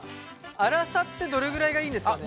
粗さってどれぐらいがいいんですかね？